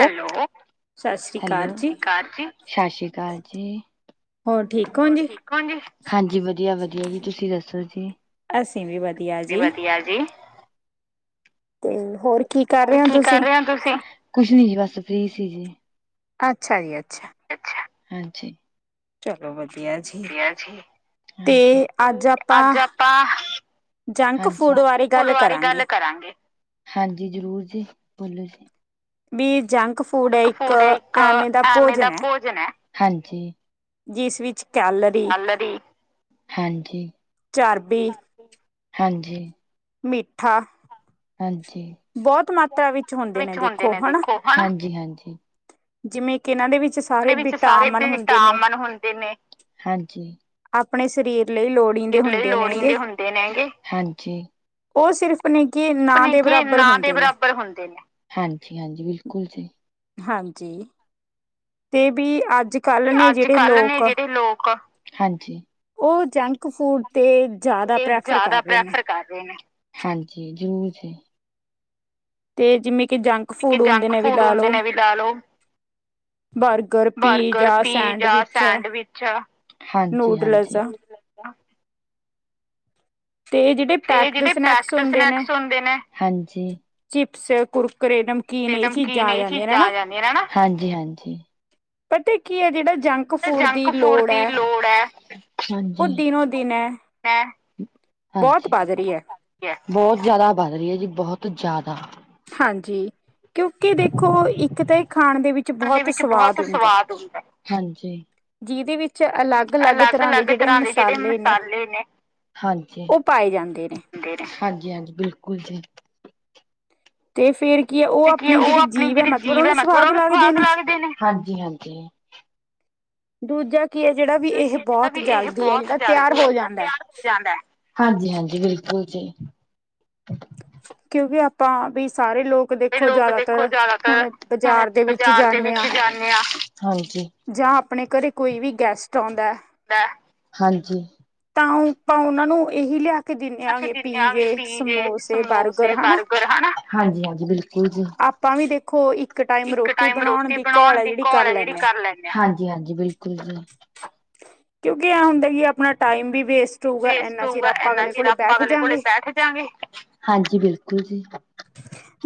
Hello, hello ਕਾਲ ਜੀ, ਸਤ ਸ਼੍ਰੀ ਅਕਾਲ ਜੀ। ਹੋਰ ਠੀਕ, ਹੋ ਠੀਕ ਹੋ ਜੀ, ਹਾਂਜੀ, ਵਧੀਆ, ਵਧੀਆ ਜੀ ਤੁਸੀਂ ਦੱਸੋ ਜੀ। ਅਸੀਂ ਵੀ ਵਧੀਆ ਜੀ। ਕਾਲ ਜੀ। ਤੇ ਹੋਰ। ਹੋਰ ਕੀ ਕਰ ਰਹੇ ਹੋ ਤੁਸੀਂ ਕੁਛ ਨੀ ਜੀ ਬਸ ਫ੍ਰੀ ਸੀ ਜੀ। ਅੱਛਾ ਜੀ ਅੱਛਾ। ਅਛਾ ਹਾਂਜੀ, ਚਲੋ ਵਧੀਆ। ਵਧੀਆ ਜੀ ਹਾਂਜੀ, ਹੋਰ ਅੱਜ ਆਪਾਂ, ਹਾਂਜੀ ਜਾਕੇ ਗੁਰੂਦੁਆਰੇ ਗੱਲ ਕਰਾਂਗੇ ਹਾਂਜੀ ਜ਼ਰੂਰ ਜੀ ਬੋਲੋ ਜੀ। ਬੀ ਜੰਕ ਫ ਜੰਕ ਫੂਡ ਇੱਕ ਐਮੇ ਦਾ ਭੋਜਨ ਹੈ, ਹਾਂਜੀ, ਜਿਸ ਵਿੱਚ ਕੇਲਰ ਕਲ ਦੀ ਹਾਂਜੀ, ਹਾਂਜੀ, ਮਿੱਠਾ, ਹਾਂਜੀ। ਬੋਤ ਮਾਤਰਾ ਵਿੱਚ ਹੁੰਦੇ ਨੇ ਦੇਖੋ, ਹਨਾ। ਹਾਂਜੀ ਹਾਂਜੀ। ਜਿਮੇ ਕਿ ਏਨਾਂ ਦੇ ਵਿੱਚ ਦੇ ਵਿੱਚ ਸਾਰੇ ਬੀਟਾਮਨ ਹੁੰਦੇ ਨੇ। ਹਾਂਜੀ। ਅਪਣੇ ਸਰੀਰ ਲਈ ਲੋੜ ਲਈ ਲੋੜੀਂਦੇ ਹੁੰਦੇ ਨੇਗੇ। ਹਾਂਜੀ। ਓ ਸਿਰਫ ਨੇ ਕਿ ਅਪਨੇ ਕਿ ਨਾਂ ਦੇ ਬਰਾਬਰ ਹੁੰਦੇ ਨੇ। ਹਾਂਜੀ ਹਾਂਜੀ, ਬਿਲਕੁਲ ਜੀ। ਹਾਂਜੀ। ਤੇ ਬੀ ਅਜ ਅੱਜ ਕੱਲ ਨੇ ਜੇੜੇ ਲੋਕ। ਹਾਂਜੀ। ਓ ਜੰਕ ਫੂਡ ਤੇ ਤੇ ਜਾਦਾ ਪ੍ਰੈਫਰ ਕਰ ਰਏ ਨੇ। ਹਾਂਜੀ, ਜਰੂਰ ਜੀ। ਤੇ ਜਿਮੇ ਕਿ ਜੰਕ ਕਿਉਂਕੀ ਜੰਕ ਫੂਡ ਹੁੰਦੇ ਨੇ ਵੀ ਲਾ ਲੋ ਬਰਗਰ, ਪੀਜ਼ਾ, ਸੈਂਡਵਿਚ। ਹਾਂਜੀ ਹਾਂਜੀ। ਤੇ ਜੇੜੇ ਤੇ ਜੇੜੇ ਪੈਕਡ ਸਨੈਕਸ ਹੁੰਦੇ ਨੇ। ਹਾਂਜੀ। ਓ ਕੁਰਕੁਰੇ, ਨਮਕੀਨ ਏ ਚੀਜਾਂ ਆ ਜਾਂਦੀਆਂ ਨੇ ਨਾ, ਹਾਂਜੀ ਹਾਂਜੀ। ਪਤੇ ਕੀ ਐ ਜੇੜਾ ਜੰਕ ਜੰਕ ਫੂਡ ਦੀ ਲੋੜ ਐ। ਹੈ ਹਾਂਜੀ। ਬੋਤ ਘੱਟ। ਗੈਸ। ਬੋਤ ਜਾਦਾ ਬਨ ਰੀ ਐ ਜੀ। ਬੋਹਤ ਜਾਦਾ। ਹਾਂਜੀ। ਕਿਉਕਿ ਦੇਖੋ ਇੱਕ ਤੇ ਏ ਖਾਣ ਦੇ ਵਿੱਚ ਬੋਹਤ ਸਵਾਦ ਹੁੰਦੈ। ਹਾਂਜੀ। ਜਿਦੇ ਵਿੱਚ ਅਲੱਗ ਅਲੱਗ ਤਰਾਂ ਦੇ ਜੇੜੇ ਮਸਾਲੇ ਨੇ। ਔ ਪਾਏ ਜਾਂਦੇ ਨੇ। ਦੇ ਨੇ। ਹਾਂਜੀ ਹਾਂਜੀ ਬਿਲਕੁਲ ਜੀ। ਤੇ ਫੇਰ ਕੀ ਏ ਓ ਅਪਣੀ ਜੇੜੀ ਜੀਵ ਐ ਮਤਲਬ ਓਨੂੰ ਸਵਾਦ ਲਗਦੇ ਨੇ। ਦੂਜਾ ਕੀ ਏ ਜੇੜਾ ਵੀ ਏਹ ਬੋਤ ਜਲਦੀ ਤੇਆਰ ਹੋ ਜਾਂਦਾ ਐ। ਜਾਂਦਾ ਐ। ਹਾਂਜੀ ਹਾਂਜੀ ਬਿਲਕੁਲ ਜੀ। ਕਿਉਂ ਵੀ ਆਪਾਂ ਵੀ ਸਾਰੇ ਲੋਕ ਦੇਖੋ ਜਾਦਾਤਰ ਹੁਣ ਬਜਾਰ ਦੇ ਵਿੱਚ ਜਾਨੇਂ ਆਂ। ਹਾਂਜੀ। ਜਾਂ ਅਪਣੇ ਘਰੇ ਕੋਈ ਵੀ ਗੈਸਟ ਆਉਂਦਾ ਐ। ਹਾਂਜੀ। ਤਾਂ ਔ ਪਾਂ ਓਨਾਂ ਨੂੰ ਏਹੀ ਲੇਆ ਕੇ ਦਿੰਨੇ ਆਂਵੀ ਪੀਜੇ਼, ਸਮੋਸੇ, ਬਰਗਰ ਹਨਾ। ਆਪ ਤਾਂ ਵੀ ਦੇਖੋ ਇੱਕ ਟਾਈਮ ਰੋਟੀ ਬਣਾਉਣ ਦੀ ਘੋਲ ਐ ਜੇੜੀ ਕਰ ਲੈਂਨੇ ਆਂ। ਹਾਂਜੀ ਹਾਂਜੀ ਬਿਲਕੁਲ ਜੀ। ਕਿਉਂਕਿ ਐ ਹੁੰਦਾ ਈ ਏ ਅਪਣਾ ਟਾਈਮ ਵੀ ਵੇਸਟ ਵੇਸਟ ਹੋਉਗਾ। ਐਨਾ ਚਿਰ ਆਪਾਂ ਅਗਲੇ ਕੋਲੇ ਬੈਠ ਜਾਂਗੇ। ਹਾਂਜੀ ਬਿਲਕੁਲ ਜੀ।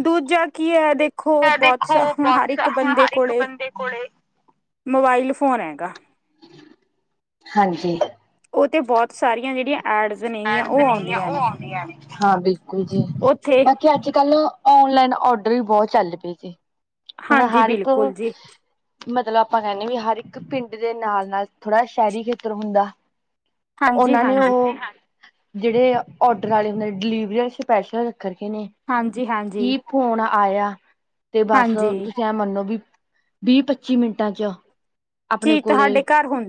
ਦੂਜਾ ਕੀ ਹੈ ਦੇਖ ਖੋ ਬੌਤ ਸਾ [unintelligible] ਹਰ ਇੱਕ ਬੰਦੇ ਕੋਲੇ ਮੋਬਾਇਲ ਫੋਨ ਹੈਗਾ। ਹਾਂਜੀ। ਓ ਤੇ ਬੌਤ ਸਾਰੀਆਂ ਜੇੜੀਆਂ ਐਡਸ ਨਈ ਐ ਓ ਆਂਦੀਆਂ ਨੇ। ਹਾਂ, ਬਿਲਕੁਲ ਜੀ ਬਾਕੀ ਅੱਜ ਕੱਲ ਓਨਲਾਈਨ ਔਡਰ ਵੀ ਬੌਤ ਚੱਲ ਪਏ ਜੀ। ਹੁਨ ਹਰ ਇੱਕ ਮਤਲ ਆਪਾਂ ਕੈਨੇ ਬੀ ਹਰ ਇੱਕ ਪਿੰਡ ਦੇ ਨਾਲ- ਨਾਲ ਥੋੜਾ ਸ਼ੈਹਰੀ ਖੇਤਰ ਹੁੰਦਾ। ਓਨਾਂ ਨੇ ਉਹ ਜੇੜੇ ਔਡਰ ਆਲੇ ਹੁੰਦੇ ਡਿਲੀਵਰੀਅਰ ਸਪੈਸ਼ਲ ਰੱਖ ਰਖੇ ਨੇ। ਹਾਂਜੀ -ਹਾਂਜੀ ਫੋਨ ਆਇਆ ਤੇ ਬਸ ਤੁਸੀ ਐ ਮੰਨੋ ਬੀ ਬੀਹ, ਪੱਚੀ ਮਿੰਟਾਂ ਚ ਆਪਨੇ ਕੋਲੇ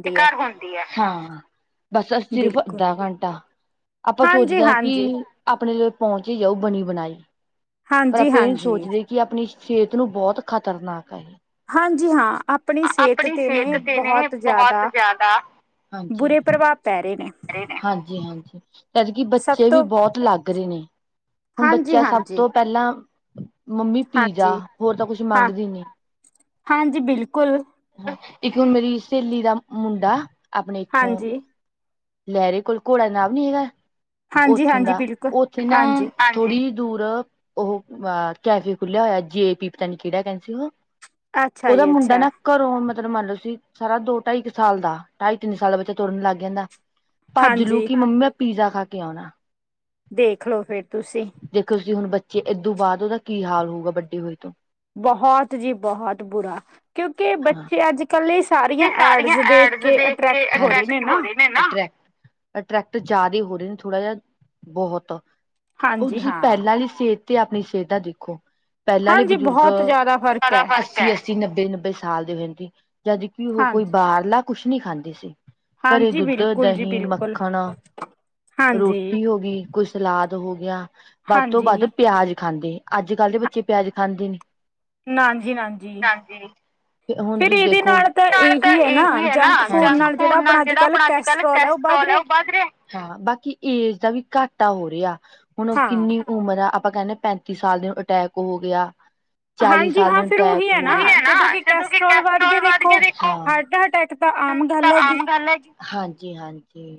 ਇੱਕ ਘਰ ਬਣ ਦੀ ਏ ਬਸ ਅ ਸਿਰਫ਼ ਅੱਧਾ ਘੰਟਾ ਆਪਾਂ ਸੋਚਦੇ ਆਂ ਕਿ ਆਪਨੇ ਲੀਏ ਪਹੁੰਚ ਹੀ ਜਾਉ ਬਨੀ ਬਨਾਈ ਪਰ ਆਪਾਂ ਐ ਨੀ ਸੋਚਦੇ। ਕਿ ਆਪਨੀ ਸੇਹਤ ਨੂੰ ਬੌਤ ਖ਼ਤਰਨਾਕ ਐ। ਹਾਂਜੀ ਹਾਂ ਅਪ ਅਪਨੀ ਸੇਤ ਤੇ ਨੇ ਬਹੁਤ ਜ਼ਿਆਦਾ ਬੁਰੇ ਪ੍ਰਭਾਵ ਪੈ ਰੇ ਨੇ। ਰੇ ਨੇ ਹਾਂਜੀ, ਹਾਂਜੀ। ਜਦਕਿ ਬੱਚੇ ਵੀ ਬੌਤ ਲੱਗ ਰੇ ਨੇ ਹੁਣ ਬੱਚਾ ਸਭ ਤੋਂ ਪੈਲਾਂ ਮੰਮੀ ਪਿਜਾ ਹੋਰ ਤਾ ਕੁਛ ਮੰਗਦੀ ਨੀ। ਇੱਕ ਹੁਨ ਮੇਰੀ ਸੇਲੀ ਦਾ ਮੁੰਡਾ ਆਪਣੇ ਇੱਥੋਂ ਲੈਅਰੇ ਕੋਲ ਘੋੜਾ ਨਾਭ ਨੀ ਹੈਗਾ ਓਥੋਂ ਦਾ ਓਥੇ ਨੈ ਥੋੜ੍ਹੀ ਦੂਰ ਆ ਓਹ ਕੈਫੇ ਖੁੱਲਿਆ ਹੋਇਆ ਜੇ ਪੀ ਪਤਾ ਨੀ ਕੇੜਾ ਕੈਂਦੀ ਸੀ ਉਹ। ਓਦਾ ਮੁੰਡਾ ਨਾ ਘਰੋਂ ਮਤਲਬ ਮੰਨ ਲਓ, ਤੁਸੀ ਸਾਰਾ ਦੋ, ਢਾਈ ਕੁ ਸਾਲ ਦਾ ਢਾਈ ਤਿੰਨ ਸਾਲ ਦਾ ਬੱਚਾ ਤੁਰਨ ਲੱਗ ਜਾਂਦਾ। ਭੱਜ ਲੂ ਕਿ ਮੰਮ ਮੈਂ ਪੀਜ਼ਾ ਖਾ ਕੇ ਆਣਾ। ਦੇਖਲੋ ਫੇਰ ਤੁਸੀ। ਦੇਖੋ ਤੁਸੀ, ਹੁਣ ਬੱਚੇ ਏਦੋਂ ਬਾਅਦ ਓਦਾ ਕੀ ਹਾਲ ਹੋਊਗਾ ਵੱਡੇ ਹੋਏ ਤੋਂ? ਬਹੁਤ ਜੀ ਬਹੁਤ ਬੁਰਾ, ਕਿਉਂਕਿ ਬੱਚੇ ਅੱਜ ਕੱਲੇ ਸਾਰੀਆਂ ਐਡਜ਼ ਦੇਖ ਕੇ ਅਟਰ੍ਰੈਕਟ ਹੋ ਰੇ ਨੇ ਨਾ। ਐ ਨਾ ਅਟਰੈਕ, ਅਟਰੈਕਟ ਜਆਦੇ ਹੀ ਹੋ ਰੇ ਓ ਥੋੜਾ ਜਿਆ ਬਹੁਤ ਓ ਤੁਸੀ ਪੈਲਾਂ ਆਲੀ ਸੇਤ ਤੇ ਆਪਣੀ ਸੇਤ ਦਾ ਦੇਖੋ ਪੈਲਾਂ ਆਲੇ ਬਜੁਰਗ [unintelligible] ਅੱਸੀ, ਨੱਬੇ -ਨੱਬੇ ਸਾਲ ਦੇ ਹੋ ਜਾਂਦੇ ਥੀ ਜਦਕਿ ਉਹ ਕੋਈ ਬਾਹਰਲਾ ਕੁਛ ਨੀ ਖਾਂਦੇ ਸੀ। ਘਰੇ ਦੁੱਧ, ਦਹੀਂ, ਮੱਖਨ, ਰੋਟੀ ਹੋ ਗਈ, ਕੁਛ ਸਲਾਦ ਹੋ ਗਿਆ ਵੱਧ ਤੋਂ ਵੱਧ ਪਿਆਜ ਖਾਂਦੇ ਅੱਜ ਕੱਲ੍ਹ ਦੇ ਬੱਚੇ ਪਿਆਜ ਖਾਂਦੇ ਨੀ। ਹਾਂਜੀ, ਤੇ ਹੁਣ ਤੁਸੀ ਦੇਖੋ ਏਹੀ ਐ ਨਾ ਜੰਕ ਫੂਡ ਨਾਲ ਜੇੜਾ ਆਪਣਾ ਅੱਜ ਕੱਲ ਕੈਸਟਰੋਲ ਐ ਓ ਵੱਧ ਰੇਆ। ਹਾਂ, ਬਾਕੀ ਏਜ਼ ਦਾ ਵੀ ਘਾਟਾ ਹੋ ਰਿਆ ਹੁਣ ਕਿੰਨੀ ਉਮਰ ਆ ਆਪਾਂ ਕੈਂਦੇ ਪੈਂਤੀ ਸਾਲ ਦੇ ਅਟੈਕ ਹੋ ਗਿਆ। ਚਾਲੀ ਸਾਲ ਨੂੰ ਅਟੈਕ ਹੋ ਗਿਆ ਉਹੀ ਐ ਨਾ ਜਦੋਂ ਦੇ ਕੈਸਟਰੋਲ ਵੱਧਗੇ ਨੇ ਹਾਰਟ ਅਟੈਕ ਤਾ ਆਮ ਗੱਲ ਹੈਗੀ। ਹਾਂਜੀ -ਹਾਂਜੀ,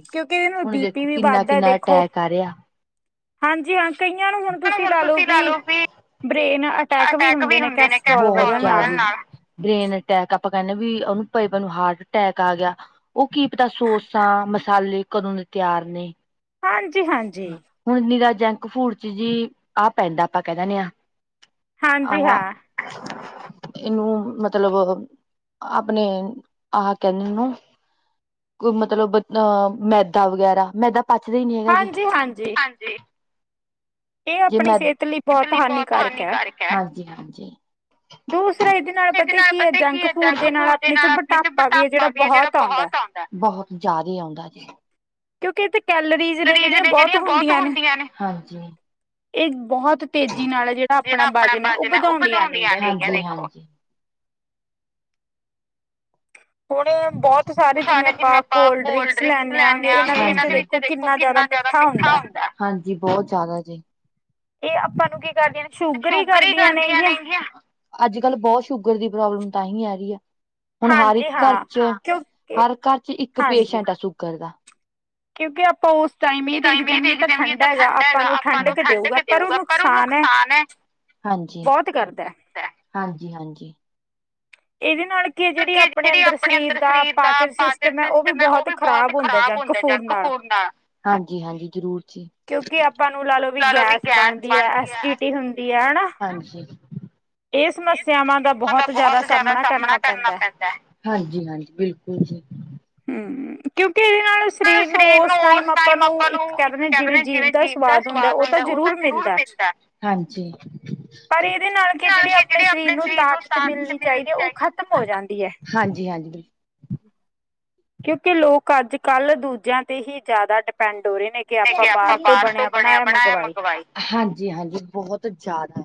ਹੁਣ ਵੇਖੋ ਕਿੰਨਾ- ਕਿੰਨਾ ਅਟੈਕ ਆ ਰਿਆ। ਹਾਂਜੀ, ਹਾਂ ਕਈਆਂ ਨੂੰ ਹੁਣ ਤੁਸੀ ਲਾ ਲੋ ਬੀ ਬ੍ਰੇਨ ਅਟੈਕ ਵੀ ਹੁੰਦੇ ਨੇ ਕੇਸਟਰੋਲ ਵਧਣ ਨਾਲ। ਬ੍ਰੇਨ ਅਟੈਕ ਆਪਾਂ ਕੈਨੇ ਵਈ ਉਨੂੰ ਪਏ ਪਏ ਨੂੰ ਹਾਰਟ ਅਟੈਕ ਆ ਗਿਆ। ਉਹ ਕੀ ਪਤਾ ਸੋਸਾ, ਮਸਾਲੇ ਕਦੋਂ ਦੇ ਤਿਆਰ ਨੇ। ਹਾਂਜੀ- ਹਾਂਜੀ। ਹੁਣ ਨਿਰਾ ਜੰਕ ਫੂਡ ਚ ਜੀ, ਆਹ ਪੈਂਦਾ ਆਪਾਂ ਕਹਿ ਦਿੰਦੇ ਆ। ਆ ਹਾ, ਇਹਨੂੰ ਮਤਲਬ। ਆਪਣੇ, ਆਹ ਕਹਿੰਦੇ ਨੂੰ ਕੋਈ ਮਤਲਬ ਅਹ ਮੈਦਾ ਵਗੈਰਾ, ਮੈਦਾ ਪਚਦੇ ਹੀ ਨੀ ਹੈਗਾ ਜੀ। ਹਾਂਜੀ। ਜੀ ਜੇ ਮੈਂ, ਇਸ ਲਈ ਬੋਤ ਹਾਨੀਕਾਰਕ ਹਾਂਜੀ- ਹਾਂਜੀ। ਦੁ- ਦੂਸਰਾ ਇਹਦੇ ਨਾਲ ਪਤਾ ਕੀ ਏ, ਜੰਕ ਫੂਡ ਦੇ ਨਾਲ ਆਪਣੇ ਚ ਮੁਟਾਪਾ ਵੀ ਏ ਜਿਹੜਾ ਬਹੋਤ ਆਉਂਦਾ। ਬਹੋਤ ਜਾ਼ਦਾ ਈ ਆਉਂਦਾ ਜੀ। ਕਿਉਂਕਿ, ਇਚ ਕੈਲੋਰੀਜ਼ ਨੇ ਜਿਹੜੀਆਂ ਬੋਤ ਹੁੰਦੀਆਂ ਨੇ, ਇਹ ਬਹੋਤ ਤੇਜ਼ੀ ਨਾਲ ਜਿਹੜਾ ਆਪਣਾ ਵਜਨ ਹੈ, ਉਹ ਵਧਾਉਂਦੀਆਂ ਨੇਗੀਆਂ ਦੇਖੋ। ਹਾਂ। ਥੋੜੇ ਬੋਤ, ਸਾਰੇ ਜਿਵੇਂ ਆਪਾਂ ਕੋਲਡ ਡ੍ਰਿੰਕਸ ਲੈਨੇ ਆ ਇਹਨਾਂ ਦੇ ਵਿੱਚ ਦੇਖੋ ਕਿੰਨਾ ਜਿਆਦਾ ਮਿੱਠਾ ਹੁੰਦਾ। ਹਾਂਜੀ, ਬਹੋਤ ਜ਼ਾਦਾ ਜੀ। ਇਹ ਆਪਾਂ ਨੂੰ ਕੀ ਕਰਦੇ ਨੇ- ਸ਼ੂਗਰ ਹੀ ਕਰਦੀਆਂ ਨੇ ਜੀ, ਅੱਜ ਕਲ ਬੋਤ ਸ਼ੂਗਰ ਦੀ ਪ੍ਰੋਬਲਮ ਤਾਂਹੀ ਆ ਰਹੀ ਆ। ਹੁਣ ਹਰ ਇੱਕ ਘਰ 'ਚ ਹਰ ਘਰ 'ਚ ਇੱਕ ਪੇਸ਼ੈਂਟ ਆ ਸ਼ੂਗਰ ਦਾ। ਕਿਉਂਕਿ ਆਪਾਂ ਉਸ, ਟਾਈਮ ਇਹ ਦੇਖਦੇ ਵੀ ਇਹ ਤਾਂ ਠੰਡਾ ਹੈਗਾ ਆਪਾਂਨੂੰ ਠੰਡਕ ਦੇਊਗਾ ਪਰ ਉਹ ਨੁਕਸਾਨ ਐ। ਬੋਤ ਈ ਕਰਦਾ ਹੈ। ਹਾਂਜੀ-ਹਾਂਜੀ। ਇੱਕ ਤਾਂ ਕਿ ਆ ਜਿਹੜੀ ਆਪਣੇ ਅੰਦਰ ਸਰੀਰ ਦਾ ਪਾਚਨ ਸਿਸਟਮ ਹੈ ਉਹ ਵੀ। ਬਹੋਤ ਖ਼ਰਾਬ ਹੁੰਦਾ ਏ ਜੰਕ- ਫੂਡ ਨਾਲ ਹਾਂਜੀ- ਹਾਂਜੀ ਜਰੂਰ ਜੀ। ਕਿਉਂਕਿ ਆਪਾਂ ਨੂੰ ਲਾ ਲਓ ਵੀ ਗੈਸ ਬਣਦੀ ਹੈ ਐਸ ਡਿਟੀ ਹੁੰਦੀ ਹੈ ਹਨਾ। ਇਹ ਸਮੱਸਿਆਵਾਂ ਦਾ ਬਹੋਤ ਜ਼ਿਆਦਾ। ਜ਼ਾਦਾ ਸਮਣਾ ਕਰਨਾ ਪੈਂਦਾ, ਹਾਂਜੀ- ਹਾਂਜੀ ਬਿਲਕੁਲ ਜੀ। ਹੂੰ, ਕਿਉਂਕਿ ਇਹਦੇ ਨਾਲਂ। ਸਰੀਰ ਨੂੰ ਉਸ ਟਾਈਮ ਆਪਾਂ ਨੂੰ ਇੱਕ ਕਹਿ ਦਿੰਦੇ ਹਾਂ ਜਿਵੇਂ ਜੀਵ ਦਾ ਸਵਾਦ ਹੁੰਦਾ ਉਹ ਤਾਂ ਜ਼ਰੂਰ ਮਿਲਦਾ। ਪਰ ਇਹਦੇ ਨਾਲ ਕਿ ਜਿਹੜੀ ਆਪਣੇ ਸਰੀਰ ਨੂੰ ਤਾਕਤ ਮਿਲਣੀ। ਚਾਹੀਦੀ ਏ ਉਹ ਖ਼ਤਮ ਹੋ ਜਾਂਦੀ ਹੈ। ਹਾਂਜੀ- ਹਾਂਜੀ, ਬਿਲਕੁਲ। ਕਿਉਂਕਿ ਲੋਕ ਅੱਜ- ਕੱਲ ਦੂਜਿਆਂ ਤੇ ਹੀ ਜ਼ਿਆਦਾ ਡਿਪੈਂਡ ਹੋ ਰਹੇ ਨੇ। ਕਿ ਆਪਾਂ ਬਾਹਰ ਤੋਂ ਬਣਿਆ ਬਣਾਇਆ ਮੰਗਵਾਈ ਹਾਂਜੀ- ਹਾਂਜੀ ਬਹੋਤ ਜ਼ਾਦਾ।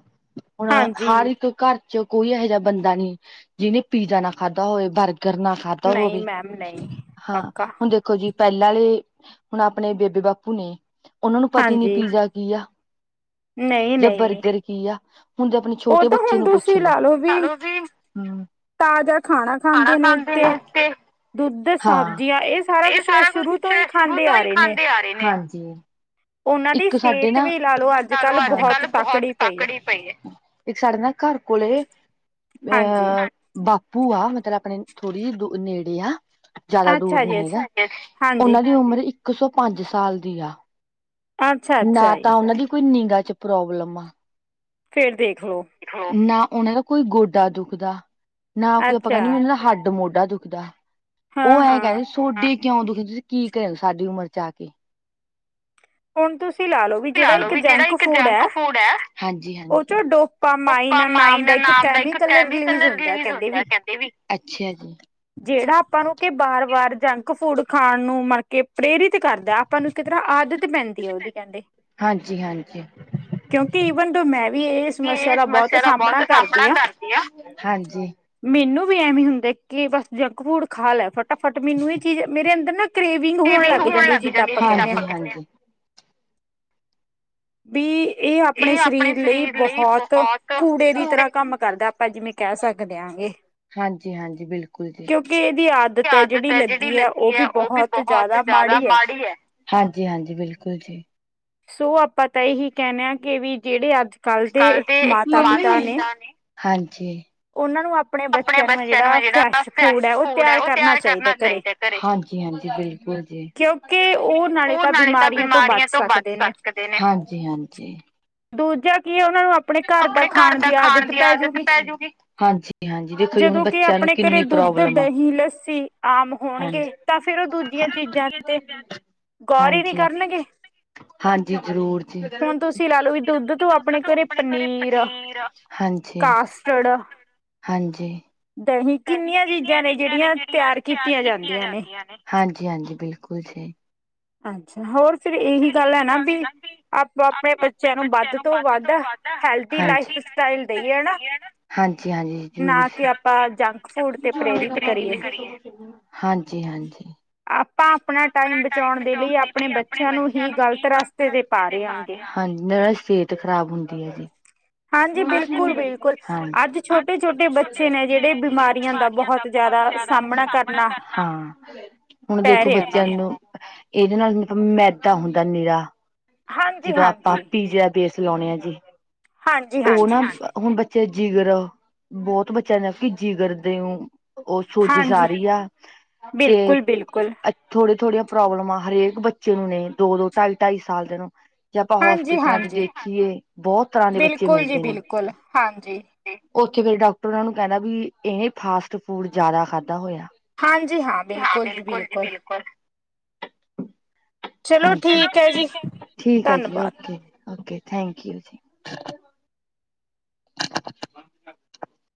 ਹੁਣ ਹਰ ਇੱਕ ਘਰ, 'ਚ ਕੋਈ ਇਹੋ ਜਿਹਾ ਬੰਦਾ ਨੀ ਜਿਹਨੇ ਪੀਜ਼ਾ ਨਾ ਖਾਧਾ ਹੋਵੇ ਬਰਗਰ ਨਾ ਖਾਧਾ ਹੋਵੇ, ਹਾਂ ਹੁਣ ਦੇ- ਖੋ ਜੀ ਪਹਿਲਾਂ ਆਲੇ ਹੁਣ ਆਪਣੇ ਬੇਬੇ- ਬਾਪੂ ਨੇ ਉਹਨਾਂ ਨੂੰ ਪਤਾ ਈ ਨੀ ਪੀਜ਼ਾ। ਕੀ ਆ, ਜਾਂ ਬਰਗਰ ਕੀ ਆ। ਹੁਣ ਦੇਖੋ ਛੋਟੇ ਬੱਚੇ ਨੂੰ ਪੁੱਛ ਲੋੋ, ਹੈਲੋ ਜੀ ਹੂੰ। ਖਾਣਾ ਖਾਂਦੇ ਨੇ ਇਥੇ। ਹਾਂ, ਇਹ ਸਾਰਾ ਕੁਛ ਸ਼ੁਰੂ ਤੋਂ ਹੀ ਖਾਂਦੇ ਆ ਰਹੇ ਨੇ, ਹਾਂਜੀ। ਇੱਕ ਸਾਡੇ ਨਾ, ਸਾਨੂੰ ਆੱਜ- ਕਾੱਲ ਬੋਹਤ ਤਾਕੜੀ ਪਈ ਏ। ਇੱਕ ਸਾਡੇ ਨਾ ਘਾੱਰ ਕੋਲੇ, ਅ ਬਾਪੂ ਆ, ਮਤਲ ਆਪਣੇ ਥੋੜੀ ਦੂ, ਨੇੜੇ ਆ। ਜਾਦਾ ਦੂਰ ਨੀ ਹੈਗਾ, ਓਨਾਂ ਦੀ ਉਮਰ ਇੱਕ ਸੌ ਪਾੰਜ ਸਾਲ ਦੀ ਆ। ਨਾ ਤਾਂ ਉਨਾਂ ਦੀ ਕੋਈ ਨਿਗਾਹ ਚ ਪ੍ਰੋਬਲਮ ਆ ਫੇਰ ਦੇਖ ਲੋ। ਨਾ ਉਨਾਂ ਦਾ ਕੋਈ ਗੋਡਾ ਦੁਖਦਾ ਨਾ ਕੋਈ ਅਪਾਂ ਕੈਨੇ ਮੀ ਮੇਰਾ ਹਾੱਡ, ਮੋਢਾ ਦੁਖਦਾ। ਓ ਐਂ ਕੈਂਦੇ ਸੂਡੀ ਕਿਉਂ ਦੁਹੀ ਤੂਸੀ ਕੀ ਕੇਆ ਸਾਡੀ ਉਮਰ ਚ ਆ ਕੇ। ਹੋਨ ਤੂਸੀ ਲਾ ਲੋ ਵੀ ਤੂਸੀ ਲਾ ਲੋ ਵੀ ਜੇੜਾ ਇੱਕ ਜੰਕ-ਫੂਡ ਐ, ਹਾਂਜੀ-ਹਾਂਜੀ, ਡੋਪਾ ਮਾਈਨ ਨਾਮ ਦਾ ਇੱਕ ਕੈਮੀਕਲ ਰਿਲੀਜ਼ ਹੁੰਦੈ, ਕੈਂਦੇ ਵੀ, ਅੱਛਾ ਜੀ। ਜੇੜਾ ਆਪਾਂ ਨੂੰ ਕਿ ਬਾਰ-ਵਾਰ ਜੰਕ-ਫੂਡ ਖਾਨ ਨੂੰ ਮਨ ਕੇ, ਪ੍ਰੇਰਿਤ ਕਰਦੈ ਆਪਾਂ ਨੂੰ ਕਿਤਨਾ ਆਦਤ ਇਕ ਪੈਨ ਹਾਂਜੀ-ਹਾਂਜੀ। ਕਿਉਂਕਿ ਈਵਨ ਦੋ ਮੈਂ ਵੀ ਏ ਸਮੱਸੇਆ ਦਾ ਬੋਤ ਸਾਮਣਾ ਕਾਰਦੀ ਆਂ। ਮੈਨੂੰ ਵੀ ਐਵੇਂ ਈ ਹੁੰਦੈ ਕਿ ਬਾੱਸ ਜੰਕ-ਫੂਡ ਖਾ ਲੈ ਫ ਫਟਾਫਟ ਮੈਨੂੰ ਏ ਚੀਜ ਮੇਰੇ ਅੰਦਰ ਨਾ ਕਰੇਵਿੰਗ ਹੋਣ ਲਾੱਗ ਜਾਂਦੀ ਏ, ਜਿੱਦਾਂ ਆਪਾਂ ਕੈਨੇ ਆ। ਵੀ ਏ ਆਪਣੇ ਸਰੀਰ ਲਈ ਬੋਹਤ ਕੂੜੇ ਦੀ ਤਰਾ ਕਾੰਮ ਕਰਦੈ। ਆਪਾਂ ਜਿਵੇਂ ਕੈ ਸਕਦੇ ਆਂਗੇ। ਹਾਂਜੀ-ਹਾਂਜੀ, ਬਿਲਕੁਲ ਜੀ, ਆਦਤ ਐ ਜੇੜੀ ਲੱਗੀ ਐ, ਓ ਵੀ ਬੋਹਤ ਜਾਦਾ ਮਾੜੀ ਐ, ਹਾਂਜੀ-ਹਾਂਜੀ, ਬਿਲਕੁਲ ਜੀ। ਸੋ ਆਪਾਂ ਤਾਂ ਏਹੀ ਕੈਨੇ ਆਂ ਕੇ ਵੀ ਜੇੜੇ ਆੱਜ ਆੱਜ-ਕਾੱਲ ਦੇ, [unintelligible] ਹਾਂਜੀ। ਅਪਣੇ ਬੱਚੇਆਂ ਨੂੰ ਐ ਜੇੜਾ ਫਰੈਸ਼ ਫੂਡ ਐ, ਓ ਤੇਆਰ ਕਰਨਾ ਚਾਈਦੈ। ਘਰੇ, ਹਾਂਜੀ-ਹਾਂਜੀ ਬਿਲਕੁਲ ਜੀ, ਓ ਨਾਲੇ ਤਾਂ ਬਿਮਾਰੀਆਂ ਤੋਂ ਬਾੱਚ ਸੱਕ ਸਕਦੇ ਨੇ, ਹਾਂਜੀ-ਹਾਂਜੀ। ਦੂਜਾ ਕੀ ਓਨਾਂ ਨੂੰ ਅਪਣੈ ਅਪਣੇ ਘਾਰ ਦਾ ਖਾਣ ਦੀ ਆਦਤ ਪੈਜੂਗੀ, ਹਾਂਜੀ। ਜਦੋਂ ਕਿ ਆਪਣੇ ਘਰੇ ਦੁੱਧ, ਦਹੀਂ, ਲੱਸੀ ਆਮ ਹੋਣਗੇ। ਤਾਂ ਫੇਰ ਓ ਦੂਜੀਆਂ ਚੀਜ਼ਾਂ ਤੇ ਗੌਰ ਈ ਨੀ ਕਰਨਗੇ। ਹਾਂਜੀ ਜਰੂਰ ਜੀ [unintelligible] [unintelligible] ਪਨੀਰ ਹਾਂਜੀ-ਹਾਂਜੀ। ਦਹੀਂ ਦਹੀਂ ਕਿੰਨੀਆਂ ਚੀਜਾਂ ਨੇ ਜੇੜੀਆਂ ਤੇਆਰ ਕੀਤੀਆਂ ਜਾਂਦੀਆਂ ਨੇ, ਹਾਂਜੀ-ਹਾਂਜੀ ਬਿਲਕੁਲ ਜੀ। ਅੱਛਾ, ਹੋਰ ਫਿਰ ਏਹੀ ਗਾੱਲ ਐ ਨਾ ਬੀ ਆਪੋ ਆਪਣੇ ਬੱਚੇਆਂ ਨੂੰ ਵਾੱਦ ਤੋਂ ਵਾੱਦ [unintelligible] ਹੈਨਾ। ਹਾਂਜੀ-ਹਾਂਜੀ, ਜਰੂਰ। [unintelligible] ਹਾਂਜੀ-ਹਾਂਜੀ। ਟਾਈਮ ਬਚਾਉਨ ਦੀ ਵੀ ਆਪਣੇ ਬੱਚੇਆਂ ਨੂੰ ਹੀ ਗਲਤ ਰਸਤੇ ਤੇ ਪਾ ਰੇ ਆਂ। ਤੇ ਖਰਾਬ ਹੁੰਦੀ ਐ ਜੀ। ਹਾਂਜੀ, ਬਿਲਕੁਲ-ਬਿਲਕੁਲ, ਆੱਜ ਛੋਟੇ-ਛੋਟੇ ਬੱਚੇ ਨੇ ਜੇੜੇ ਇਨੀ ਬਿਮਾਰੀਆਂ ਦਾ ਬੋਹਤ ਜਾਦਾ ਸਾਮਣਾ ਕਰਨਾ, ਹਾਂ ਹੁਣ ਦੇਖੋ ਬੱਚੇਆਂ ਨੂੰ ਏਦੇ ਨਾਲ, ਮੈਦਾ ਹੁੰਦੈ ਨਿਰਾ ਜਦੋਂ ਆਪਾਂ ਪੀਜੇਆ ਬੇਸ ਲਾਉਣੇ ਆ ਜੀ, ਓ ਨਾ ਹੁਣ ਬੱਚੇ ਜਿਗਰਾ, ਬਹੁਤ ਬੱਚਿਆਂ ਨੇ ਜਿਗਰਦੇ ਹੋ ਉਹ ਸੋਜ਼ੀ ਸਾਰੀ ਦਾ ਤੇ ਅਛ ਥੋੜੀ- ਥੋੜੀ ਪ੍ਰੋਬਲਮਾਂ ਹਰੇਕ ਬੱਚੇ ਨੂੰ ਨੇ ਦੋ- ਦੋ, ਢਾਈ- ਢਾਈ ਸਾਲ ਦੇ ਨੂੰ ਜੇ ਆਪਾਂ ਹੋਸਪਿਟਲਾਂ 'ਚ ਦੇਖੀਏ ਬਹੁਤ ਤਰ੍ਹਾਂ ਦੇ ਬੱਚੇ ਮਿਲਦੇ ਨੇ ਉੱਥੇ ਫੇਰ ਡੋਕਟਰਾਂ ਨੂੰ ਕਹਿੰਦਾ ਵੀ ਇਹਨੇ ਫਾਸਟ ਫੂਡ ਜ਼ਿਆਦਾ ਖਾਧਾ ਹੋਇਆ ਹਾਂਜੀ ਹਾਂ ਬਿਲਕੁਲ ਜੀ ਬਿਲਕੁਲ ਹਾਂਜੀ ਚਲੋ ਠੀਕ ਹੈ ਠੀਕ ਹੈ ਜੀ ਓਕੇ ਜੀ ਓਕੇ ਥੈਂਕ ਯੂ ਜੀ